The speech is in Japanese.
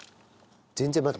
全然まだ。